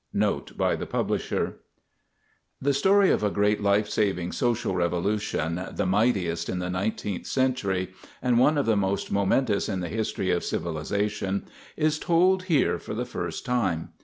NOTE BY THE PUBLISHER _The story of a great life saving social revolution, the mightiest in the nineteenth century and one of the most momentous in the history of civilization, is told here for the first time.